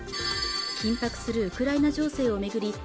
緊迫するウクライナ情勢を巡り